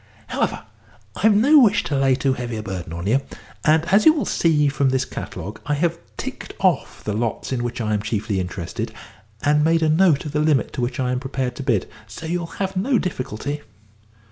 "However, I've no wish to lay too heavy a burden on you, and, as you will see from this catalogue, I have ticked off the lots in which I am chiefly interested, and made a note of the limit to which I am prepared to bid, so you'll have no difficulty."